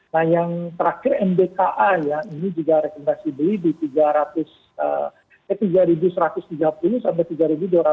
nah yang terakhir mbka ya ini juga rekomendasi beli di tiga ribu seratus sampai tiga ribu dua ratus empat puluh